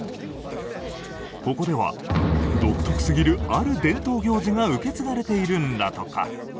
ここでは独特すぎるある伝統行事が受け継がれているんだとか。